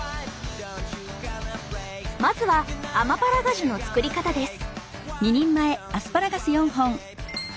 まずはアマパラガジュの作り方です。